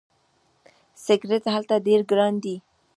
سیګرټ هلته ډیر ګران دي.